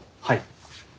はい。